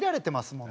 もん